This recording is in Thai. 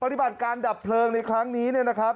ปฏิบัติการดับเพลิงในครั้งนี้เนี่ยนะครับ